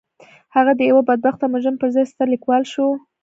هغه د يوه بدبخته مجرم پر ځای ستر ليکوال شو.